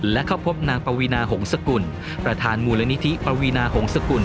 และเข้าพบนางปวีนาหงษกุลประธานมูลนิธิปวีนาหงษกุล